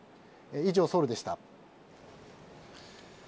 以上、ソウルでした。